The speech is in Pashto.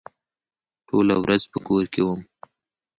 ټوله ورځ په کور کې وم.